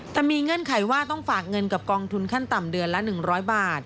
แต่มีเงื่อนไขว่าต้องฝากเงินกับกองทุนขั้นต่ำเดือนละ๑๐๐บาท